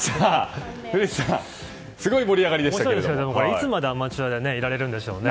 いつまでアマチュアでいられるんでしょう。